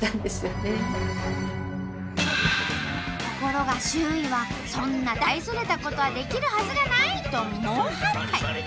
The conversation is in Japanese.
ところが周囲はそんな大それたことはできるはずがない！と猛反対。